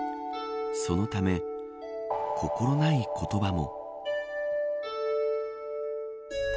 そのため心ない言葉も。